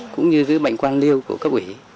cũng như bệnh quan liêu của các ủy